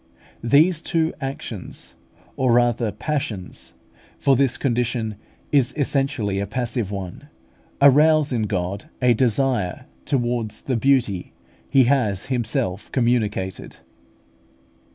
These two actions, or rather passions for this condition is essentially a passive one arouse in God a "desire" towards the "beauty" He has Himself communicated.